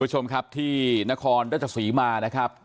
ท่านผู้ชมที่นครได้จะสานมานะครับ